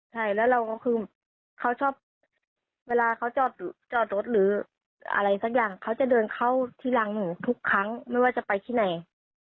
ใช่แล้วเราก็คือเขาชอบเวลาเขาจอดรถหรืออะไรสักอย่างเขาจะเดินเข้าที่รังหนูทุกครั้งไม่ว่าจะไปที่ไหน